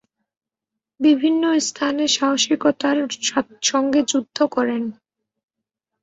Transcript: বিভিন্ন স্থানে সাহসিকতার সঙ্গে যুদ্ধ করেন।